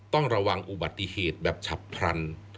ต้องระวังอุบัติเหตุแบบฉับพลัน